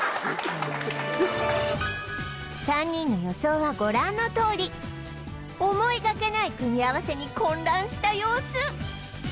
３人の予想はご覧のとおり思いがけない組み合わせに混乱した様子